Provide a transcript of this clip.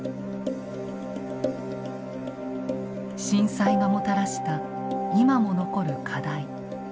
震災がもたらした今も残る課題。